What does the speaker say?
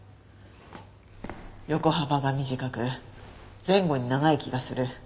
横幅が短く前後に長い気がする。